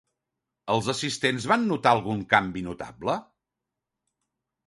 Els assistents van notar algun canvi notable?